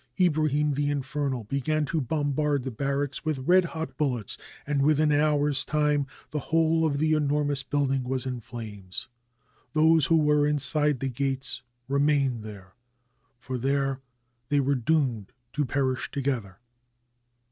Ibrahim the Infernal began to bombard the barracks with red hot bullets, and within an hour's time the whole of the enormous building was in flames. Those who were inside the gates remained there, for there they were doomed to perish together.